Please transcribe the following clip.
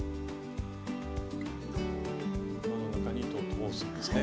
輪の中に糸を通すんですね